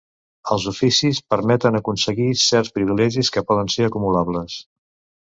Els oficis permeten aconseguir certs privilegis que poden ser acumulables.